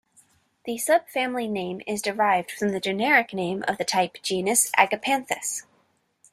The subfamily name is derived from the generic name of the type genus, "Agapanthus".